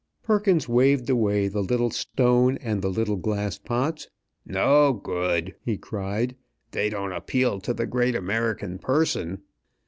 Perkins waved away the little stone and the little glass pots. "No good!" he cried. "They don't appeal to the great American person.